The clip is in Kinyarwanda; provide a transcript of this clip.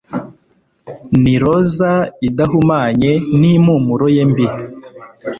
Ni roza idahumanye nimpumuro ye mbi